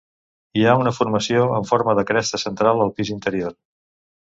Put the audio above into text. Hi ha una formació en forma de cresta central al pis interior.